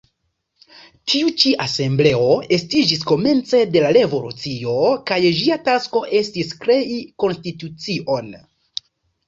Tiu ĉi asembleo estiĝis komence de la revolucio kaj ĝia tasko estis krei konstitucion.